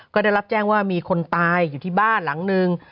ก็ได้รับแจ้งว่ามีคนตายอยู่ที่บ้านหลังนึง